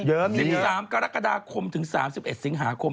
เยอะมี๓กรกฎาคมถึง๓๑สิงหาคม